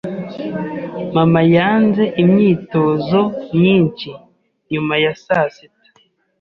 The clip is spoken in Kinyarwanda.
Mama yanze imyitozo myinshi nyuma ya sasita.